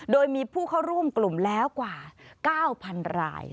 โดยมีผู้เข้าร่วมกลุ่มแล้วกว่า๙๐๐ราย